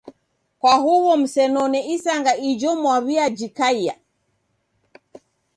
Kwa huw'o msenone isanga ijo mwaw'uyajikaia.